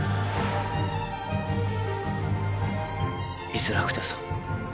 居づらくてさ。